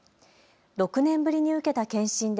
６年ぶりに受けた検診で